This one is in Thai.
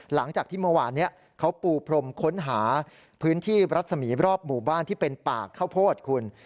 หลังจากที่เมื่อวานนี้เขาปูพรมค้นหาพื้นที่รัศมีร์รอบหมู่บ้านที่เป็นป่าข้าวโพดคุณ